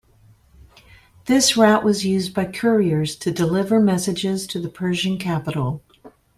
This route was used by couriers to deliver messages to the Persian capital.